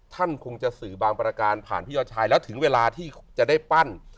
ท่านคงจะสื่อบางประการผ่านพี่ยอดชายแล้วถึงเวลาที่จะได้ปั้น